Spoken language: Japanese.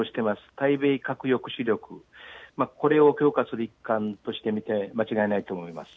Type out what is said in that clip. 対米核抑止力、これを強化する一環として見て間違いないと思います。